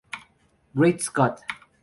Great Scott!